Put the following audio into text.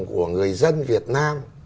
của người dân việt nam